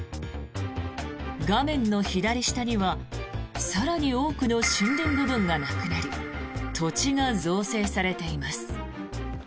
画面の左下には更に多くの森林部分がなくなり土地が造成されています。